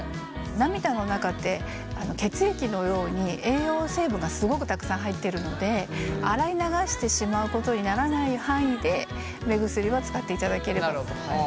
涙の中って血液のように栄養成分がすごくたくさん入っているので洗い流してしまうことにならない範囲で目薬は使っていただければと。